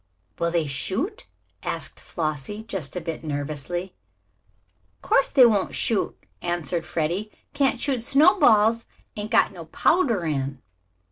"Will they shoot?" asked Flossie, just a bit nervously. "Course they won't shoot," answered Freddie. "Can't shoot snowballs. Ain't got no powder in."